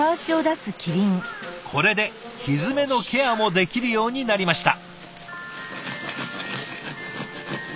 これでひづめのケアもできるようになりました。